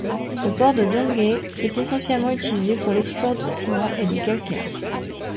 Le port de Donghae est essentiellement utilisé pour l´export de ciment et de calcaire.